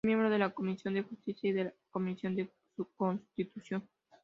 Fue miembro de la Comisión de Justicia y de la Comisión de Constitución.